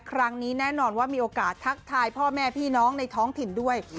ครั้งนี้แน่นอนว่ามีโอกาสทักทายพ่อแม่พี่น้องในท้องถิ่นด้วย